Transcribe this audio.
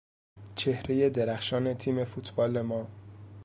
چهرهی درخشان تیم فوتبال ما